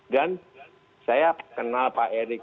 dan saya kenal pak eri